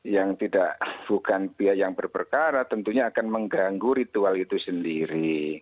yang bukan pihak yang berperkara tentunya akan mengganggu ritual itu sendiri